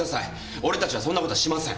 俺たちはそんな事はしません。